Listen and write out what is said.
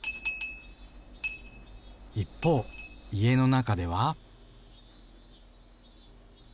一方家の中では。